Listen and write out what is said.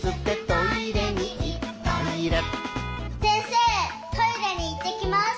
トイレに行ってきます！」